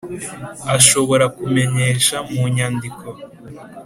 ashobora kumenyesha mu nyandiko ikigo